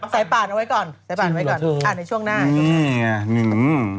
ใส่ปาหลอดไว้ก่อนใส่ปาหลอดไว้ก่อนอ่ะในช่วงหน้านี่อ่ะ